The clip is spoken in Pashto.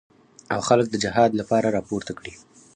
او خلک د جهاد لپاره راپورته کړي.